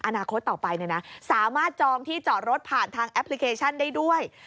อนาคตต่อไปสามารถจองที่จอดรถผ่านทางแอปพลิเคชันได้ด้วย